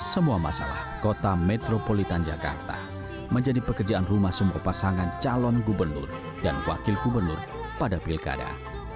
semua masalah kota metropolitan jakarta menjadi pekerjaan rumah semua pasangan calon gubernur dan wakil gubernur pada pilkada